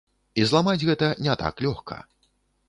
І зламаць гэта не так лёгка.